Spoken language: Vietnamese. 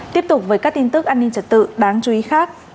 tiếp tục với các tin tức an ninh trật tự đáng chú ý khác